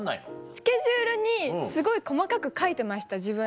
スケジュールにすごい細かく書いてました自分で。